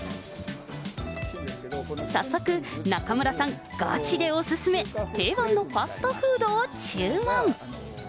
早速、中村さん、ガチでお勧め、定番のファストフードを注文。